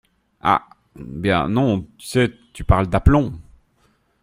Ah ! bien, non, tu sais, tu parles d’aplomb !…